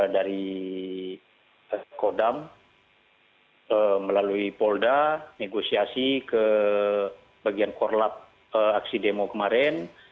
dari kodam melalui polda negosiasi ke bagian korlap aksi demo kemarin